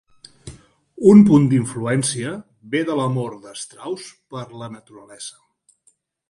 Un punt d'influència ve de l'amor de Strauss per la naturalesa.